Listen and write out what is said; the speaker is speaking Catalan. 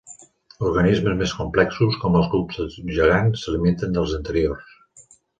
Organismes més complexos, com els cucs de tub gegants, s'alimenten dels anteriors.